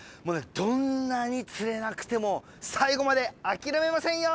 どんなに釣れなくても最後まで諦めませんよ！